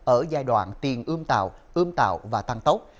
ở giai đoạn tiền ươm tạo ươm tạo và tăng tốc